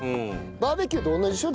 バーベキューと同じでしょ？